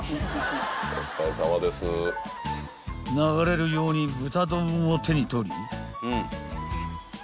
［流れるように豚丼を手に取り］